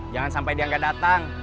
jangan sampai dia gak dateng